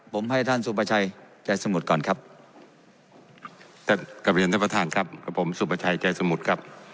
ผมให้ท่านซุปชัยก่อนครับสุบัชัยตรง